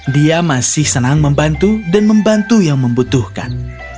dia masih senang membantu dan membantu yang membutuhkan